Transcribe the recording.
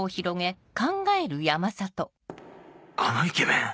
「あのイケメン